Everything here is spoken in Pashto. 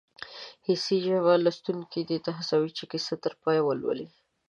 حسي ژبه لوستونکی دې ته هڅوي چې کیسه تر پایه ولولي